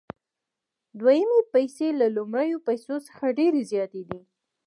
دویمې پیسې له لومړیو پیسو څخه ډېرې زیاتې دي